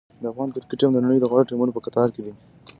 د افغان کرکټ ټیم د نړۍ د غوره ټیمونو په کتار کې دی.